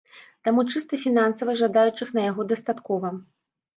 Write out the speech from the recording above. Таму чыста фінансава жадаючых на яго дастаткова.